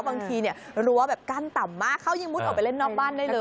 บางทีรู้ว่าการต่ำมากเขายิ่งมุดออกไปเล่นนอกบ้านได้เลย